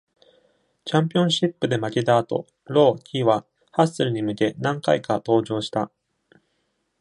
チャンピオンシップで負けた後、ロー・キはハッスルに向け何回か登場した。